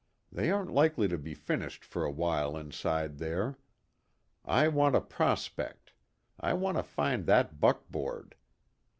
They aren't likely to be finished for a while inside there. I want to 'prospect.' I want to find that buckboard.